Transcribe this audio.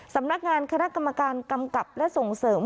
สำนักงานคณะกรรมการกำกับและส่งเสริม